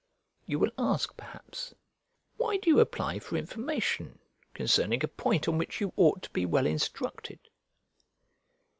You will, ask, perhaps, "Why do you apply for information concerning a point on which you ought to be well instructed?"